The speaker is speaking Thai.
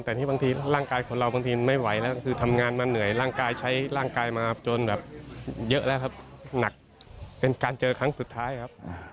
แต่นี่บางทีร่างกายคนเราบางทีไม่ไหวแล้วคือทำงานมาเหนื่อยร่างกายใช้ร่างกายมาจนแบบเยอะแล้วครับหนักเป็นการเจอครั้งสุดท้ายครับ